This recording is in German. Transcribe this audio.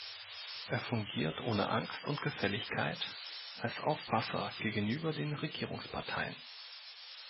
Er fungiert ohne Angst und Gefälligkeit als Aufpasser gegenüber den Regierungsparteien.